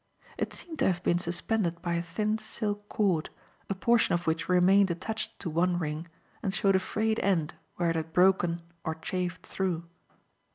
It seemed to have been suspended by a thin silk cord, a portion of which remained attached to one ring and showed a frayed end where it had broken or chafed through.